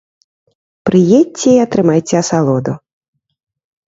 Прыедзьце і атрымайце асалоду!